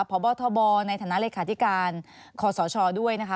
พบทบในฐานะเลขาธิการคศด้วยนะคะ